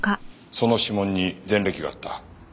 その指紋に前歴があった。